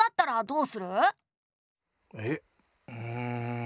うん。